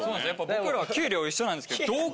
僕らは給料一緒なんですけど。